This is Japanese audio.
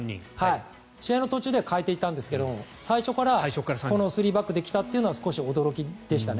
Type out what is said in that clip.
試合の途中で代えていったんですが最初からこの３バックで来たというのは少し驚きでしたね。